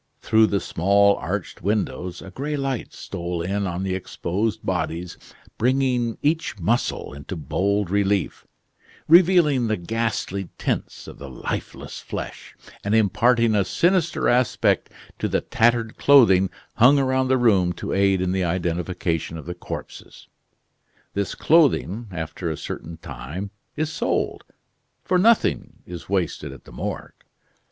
Through the small arched windows a gray light stole in on the exposed bodies, bringing each muscle into bold relief, revealing the ghastly tints of the lifeless flesh, and imparting a sinister aspect to the tattered clothing hung around the room to aid in the identification of the corpses. This clothing, after a certain time, is sold for nothing is wasted at the Morgue.